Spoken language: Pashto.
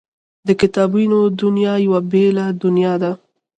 د کتابونو دنیا یوه بېله دنیا ده